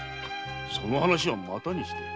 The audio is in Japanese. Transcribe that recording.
その話はまたにしよう。